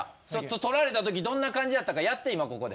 取られたときどんな感じやったかやって今ここで。